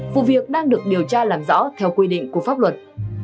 vụ việc đang được điều tra làm rõ theo quy định của pháp luật